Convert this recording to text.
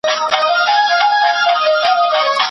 ستا په لاس هتکړۍ وینم بې وسۍ ته مي ژړېږم